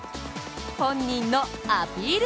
本人のアピール